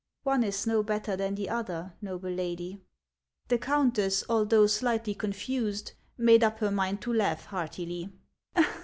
" One is no better than the other, noble lady." The countess, although slightly confused, made up her mind to laugh heartily.